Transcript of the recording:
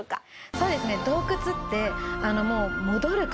そうですね。